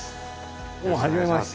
どうもはじめまして。